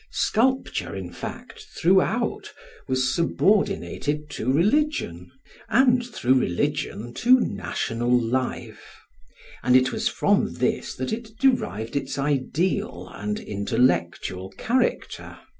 Sculpture, in fact, throughout, was subordinated to religion, and through religion to national life; and it was from this that it derived its ideal and intellectual character.